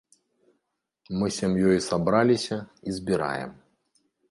Мы сям'ёй сабраліся і збіраем.